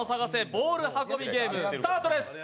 ボール運びゲーム」スタートです！